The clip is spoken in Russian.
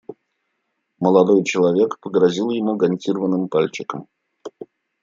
Молодой человек погрозил ему гантированным пальчиком.